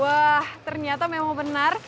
wah ternyata memang benar